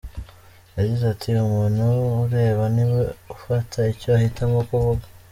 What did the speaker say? Yagize ati “Umuntu ureba ni we ufata icyo ahitamo kuvuga.